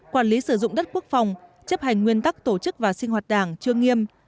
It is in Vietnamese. quản lý sử dụng đất quốc phòng chấp hành nguyên tắc tổ chức và sinh hoạt đảng chưa nghiêm